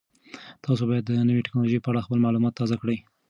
تاسو باید د نوې تکنالوژۍ په اړه خپل معلومات تازه کړئ.